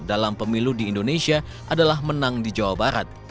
dalam pemilu di indonesia adalah menang di jawa barat